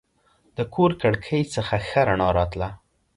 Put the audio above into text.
د کور کړکۍ څخه ښه رڼا راتله.